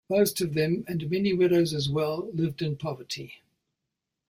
Most of them-and many widows as well-lived in poverty.